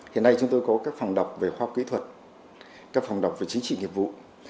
hiện nay chúng tôi có các phòng đọc về khoa học kỹ thuật các phòng đọc về chính trị nghiệp vụ